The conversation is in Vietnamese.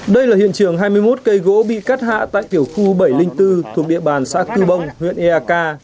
đây là hiện trường hai mươi một cây gỗ bị cắt hạ tại tiểu khu bảy trăm linh bốn thuộc địa bàn xã cư bông huyện eak